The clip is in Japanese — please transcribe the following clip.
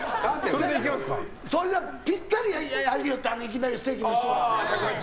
それがぴったりやったいきなりステーキの人が。